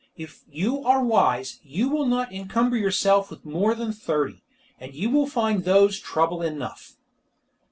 If you are wise, you will not encumber yourself with more than thirty, and you will find those trouble enough."